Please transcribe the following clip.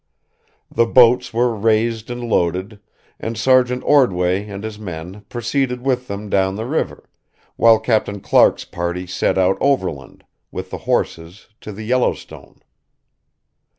The boats were raised and loaded, and Sergeant Ordway and his men proceeded with them down the river, while Captain Clark's party set out overland, with the horses, to the Yellowstone.